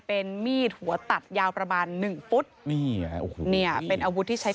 เป็นมีดหัวตัดยาวประมาณหนึ่งฟุตนี่ไงโอ้โหเนี่ยเป็นอาวุธที่ใช้